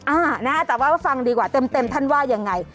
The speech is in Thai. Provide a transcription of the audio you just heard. อ่านะแต่ว่าฟังดีกว่าเต็มท่านว่ายังไง